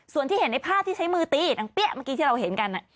ส่วนที่เห็นในภาพที่ใช้มือตีนางเปี๊ยะเมื่อกี้ที่เราเห็นกัน